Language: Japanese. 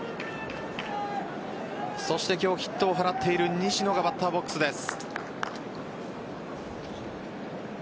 そして今日ヒットを放っている西野がバッターボックスです。